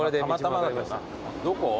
どこ？